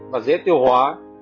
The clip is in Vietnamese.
và dễ tiêu hóa